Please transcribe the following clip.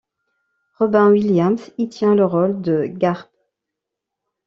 Robin Williams y tient le rôle de Garp.